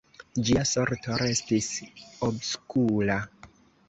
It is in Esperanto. Ĝia sorto restis obskura.